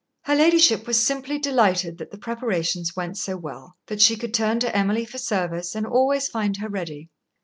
Her ladyship was simply delighted that the preparations went so well, that she could turn to Emily for service and always find her ready.